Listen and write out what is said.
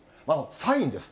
サインです。